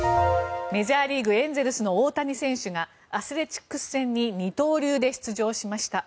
メジャーリーグ、エンゼルスの大谷選手がアスレチックス戦に二刀流で出場しました。